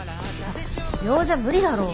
秒じゃ無理だろう。